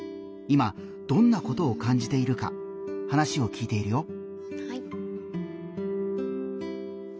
今どんなことを感じているか話を聞いているよ。